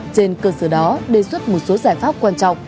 trên cơ sở đó đề xuất một số giải pháp quan trọng